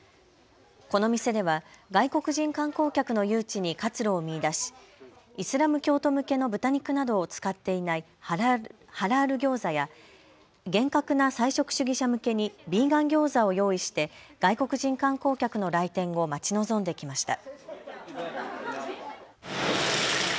この店では外国人観光客の誘致に活路を見出しイスラム教徒向けの豚肉などを使っていないハラール餃子や厳格な菜食主義者向けにビーガン餃子を用意して外国人観光客の来店を待ち望んできました。